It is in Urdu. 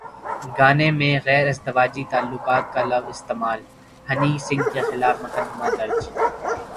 گانے میں غیر ازدواجی تعلقات کا لفظ استعمال ہنی سنگھ کے خلاف مقدمہ درج